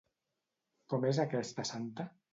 Com és aquesta santa?